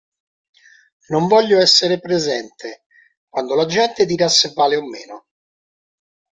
Non voglio essere presente, quando la gente dirà se vale o meno.